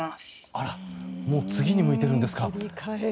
あらもう次に向いてるんですか。